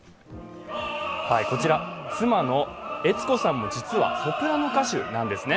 こちら妻の悦子さんも実はソプラノ歌手なんですね。